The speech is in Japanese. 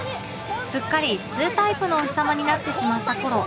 すっかり２タイプのおひさまになってしまった頃